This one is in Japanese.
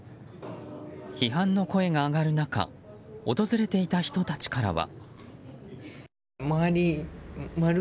批判の声が上がる中訪れていた人たちからは。